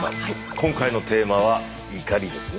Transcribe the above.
今回のテーマは「怒り」ですね。